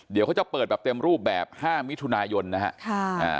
เดี๋ยวเขาจะเปิดแบบเต็มรูปแบบ๕มิถุนายนนะฮะ